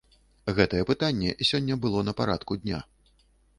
Гэтае пытанне сёння было на парадку дня.